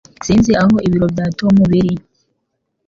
Sinzi aho ibiro bya Tom biri